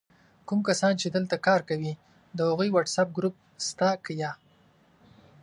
کوم کسان چې دلته کار کوي د هغوي وټس آپ ګروپ سته که یا؟!